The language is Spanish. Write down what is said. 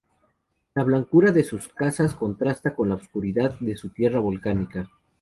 La blancura de sus casas contrasta con la oscuridad de la tierra volcánica.